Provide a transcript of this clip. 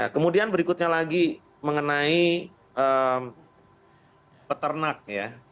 kemudian berikutnya lagi mengenai peternak ya